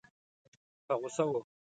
په غوسه وه.